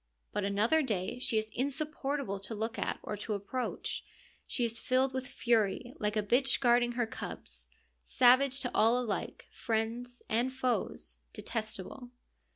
But another day she is insupportable to look at or to approach. She is filled with fury, like a bitch guarding her cubs : savage to all alike, friends and foes, detestable.